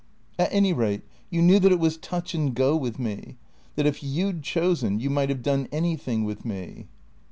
" At any rate you knew that it was touch and go with me ? That if you 'd chosen you might have done anything with me